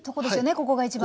ここが一番。